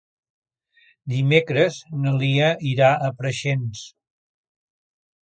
Dimecres na Lia irà a Preixens.